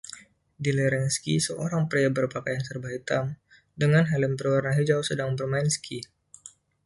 Di lereng ski, seorang pria berpakaian serba hitam dengan helm berwarna hijau sedang bermain ski.